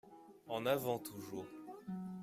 En avant toujours